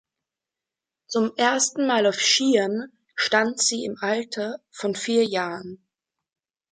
Zum ersten Mal auf Skiern stand sie im Alter von vier Jahren.